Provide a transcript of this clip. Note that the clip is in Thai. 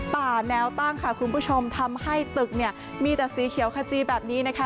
แนวตั้งค่ะคุณผู้ชมทำให้ตึกเนี่ยมีแต่สีเขียวขจีแบบนี้นะคะ